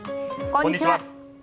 こんにちは。